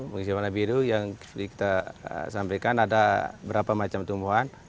fungsi warna biru yang kita sampaikan ada berapa macam tumbuhan